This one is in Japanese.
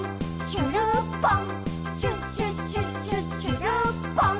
しゅるっぽん！」